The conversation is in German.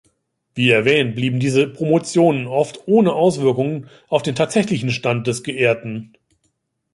Wie erwähnt blieben diese Promotionen oft ohne Auswirkungen auf den tatsächlichen Stand des Geehrten.